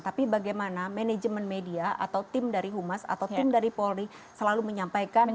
tapi bagaimana manajemen media atau tim dari humas atau tim dari polri selalu menyampaikan